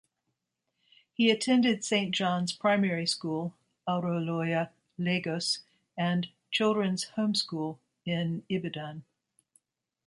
He attended Saint John's Primary School, Aroloya, Lagos and Children's Home School in Ibadan.